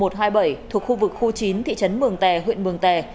thuộc khu vực khu chín thị trấn mường tè huyện mường tè